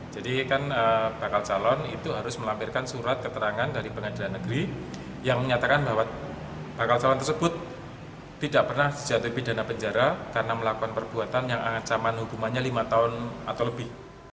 jadi kan bakal calon itu harus melampirkan surat keterangan dari pengadilan negeri yang menyatakan bahwa bakal calon tersebut tidak pernah sejatuhi pidana penjara karena melakukan perbuatan yang ancaman hubungannya lima tahun atau lebih